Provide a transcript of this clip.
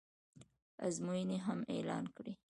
ازموینې هم اعلان کړې